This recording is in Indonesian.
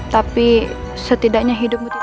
tapi setidaknya hidupmu tidak